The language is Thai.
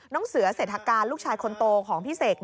เสือเศรษฐการลูกชายคนโตของพี่เสก